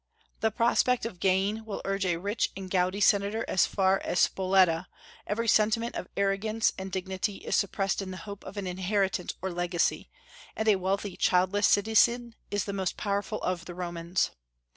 The prospect of gain will urge a rich and gouty senator as far as Spoleta; every sentiment of arrogance and dignity is suppressed in the hope of an inheritance or legacy, and a wealthy, childless citizen is the most powerful of the Romans.